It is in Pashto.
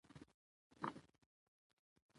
خدمت د خلکو اساسي اړتیا ده.